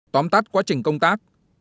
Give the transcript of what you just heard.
tóm tắt quá trình công tác